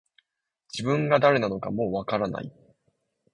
自分が誰なのかもう分からない